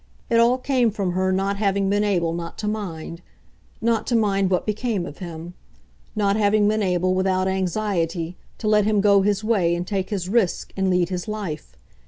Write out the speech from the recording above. It all came from her not having been able not to mind not to mind what became of him; not having been able, without anxiety, to let him go his way and take his risk and lead his life.